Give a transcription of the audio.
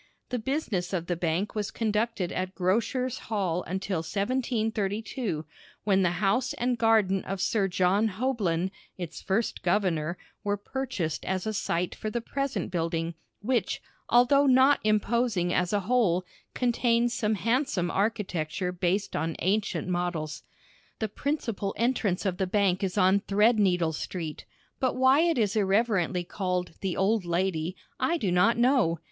The business of the bank was conducted at Grocers' Hall until 1732, when the house and garden of Sir John Houblon, its first governor, were purchased as a site for the present building, which, although not imposing as a whole, contains some handsome architecture based on ancient models. The principal entrance of the bank is on Threadneedle Street, but why it is irreverently called "the Old Lady" I do not know.